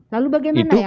lalu bagaimana yang lain